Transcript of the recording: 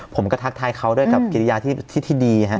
ผมก็ทักทายเขาด้วยกับเกรียร์ที่ที่ดี